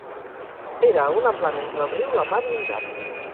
Era a una plana entre el riu, la mar i un llac.